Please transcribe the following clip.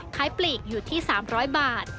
ปลีกอยู่ที่๓๐๐บาท